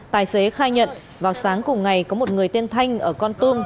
tài xế khai nhận vào sáng cùng ngày có một người tên thanh ở con tum